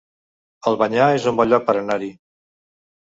Albanyà es un bon lloc per anar-hi